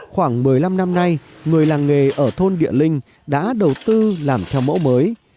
khoảng một mươi năm năm nay người làng nghề ở thôn địa linh đã đầu tư làm theo mẫu mới